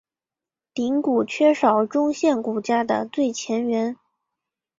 顶骨缺少中线骨架的最前缘。